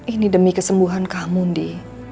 ini demi kesembuhan kamu ndi